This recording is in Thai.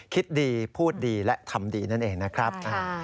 คิดดีพูดดีและทำดีนั่นเองนะครับ